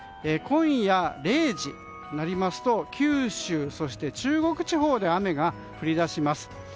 今夜０時になりますと九州そして中国地方で雨が降り出します。